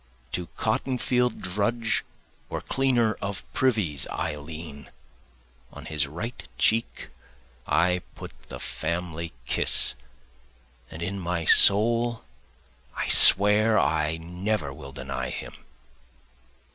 To cotton field drudge or cleaner of privies I lean, On his right cheek I put the family kiss, And in my soul I swear I never will deny him.